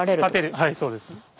はいそうです。